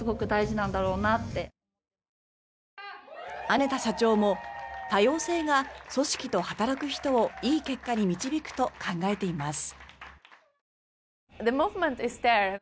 アネタ社長も多様性が組織と働く人をいい結果に導くと考えています。